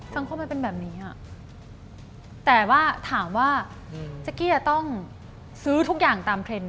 มันเป็นข้อมันเป็นแบบนี้อ่ะแต่ว่าถามว่าเจ๊กกี้จะต้องซื้อทุกอย่างตามเทรนด์